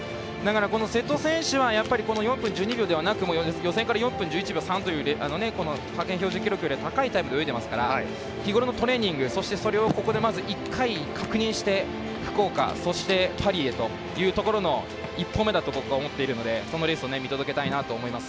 瀬戸選手は４分１２秒ではなく予選から４分１１秒３という派遣標準記録より高いタイムで泳いでいますから日頃のトレーニング、それをここで一回確認して福岡、そしてパリというところへの一歩目だと僕は思っているのでそのレースを見届けたいなと思います。